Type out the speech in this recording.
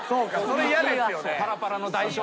それ嫌ですよね。